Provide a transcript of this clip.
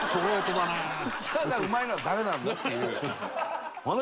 歌がうまいのは誰なんだっていう。